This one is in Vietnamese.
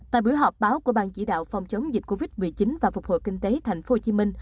tại bữa họp báo của ban chỉ đạo phòng chống dịch covid một mươi chín và phục hội kinh tế tp hcm